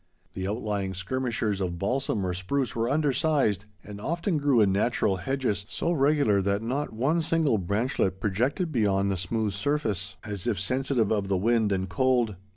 The outlying skirmishers of balsam or spruce were undersized, and often grew in natural hedges, so regular that not one single branchlet projected beyond the smooth surface, as if sensitive of the wind and cold.